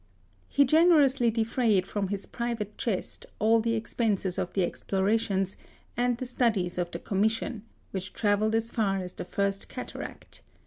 He generously defrayed from his private chest all the expenses of the explorations, and the studies of the Commission, which travelled as far as the first cataract.